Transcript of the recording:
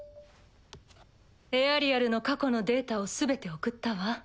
エアリアルの過去のデータを全て送ったわ。